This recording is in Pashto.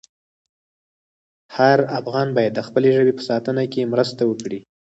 هر افغان باید د خپلې ژبې په ساتنه کې مرسته وکړي.